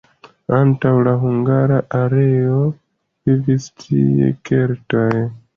Antaŭ la hungara erao vivis tie keltoj.